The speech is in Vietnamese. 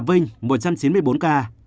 bình thuận hai trăm chín mươi một ca